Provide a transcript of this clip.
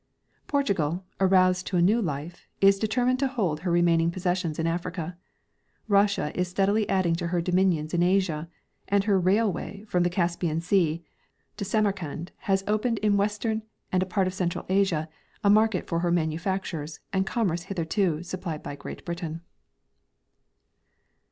Portugal, aroused to a new life, is determined to hold her remaining possessions in Africa ; Russia is steadily adding to her dominions in Asia, and her railway from the Caspian sea to Samarcand has opened in western and a part of central Asia a market for her manufact ures and commerce hitherto supplied by Great Britain.